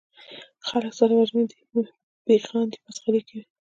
خلک سره وژني دي پې خاندي مسخرې کوي